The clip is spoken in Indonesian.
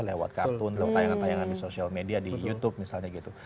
lewat kartun lewat tayangan tayangan di sosial media di youtube misalnya gitu